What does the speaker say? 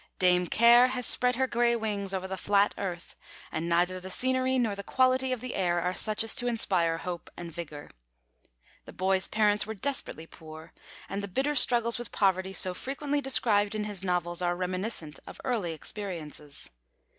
Dame Care has spread her grey wings over the flat earth, and neither the scenery nor the quality of the air are such as to inspire hope and vigour. The boy's parents were desperately poor, and the bitter struggles with poverty so frequently described in his novels are reminiscent of early experiences.